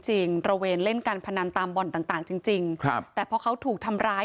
ตรวจจรวมเล่นการพนันตามบอลต่างจริงแต่เพราะเขาถูกทำร้าย